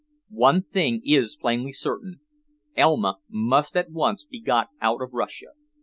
One thing is plainly certain; Elma must at once be got out of Russia.